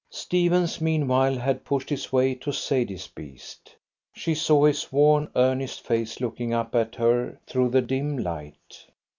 Stephens meanwhile had pushed his way to Sadie's beast. She saw his worn earnest face looking up at her through the dim light.